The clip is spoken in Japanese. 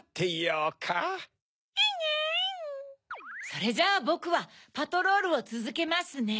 それじゃあボクはパトロールをつづけますね。